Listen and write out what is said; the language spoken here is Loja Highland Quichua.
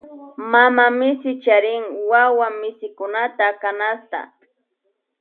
Mama misi charin wuwa misikunata canasta.